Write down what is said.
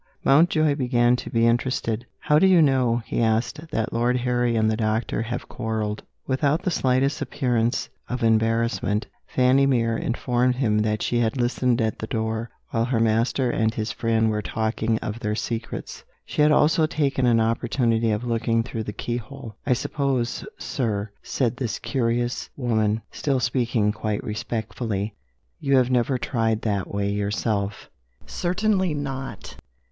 Mountjoy began to be interested. "How do you know," he asked, "that Lord Harry and the doctor have quarrelled?" Without the slightest appearance of embarrassment, Fanny Mere informed him that she had listened at the door, while her master and his friend were talking of their secrets. She had also taken an opportunity of looking through the keyhole. "I suppose, sir," said this curious woman, still speaking quite respectfully, "you have never tried that way yourself?" "Certainly not!"